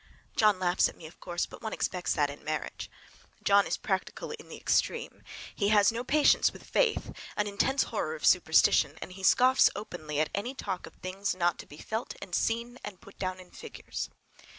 John laughs at me, of course, but one expects that in marriage. John is practical in the extreme. He has no patience with faith, an intense horror of superstition, and he scoffs openly at any talk of things not to be felt and seen and put down in figures.